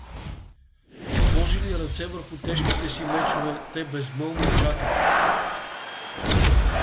Сложили ръце върху тежките си мечове, те безмълвно чакат.